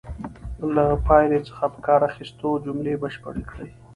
له پایلې څخه په کار اخیستلو جملې بشپړې کړئ.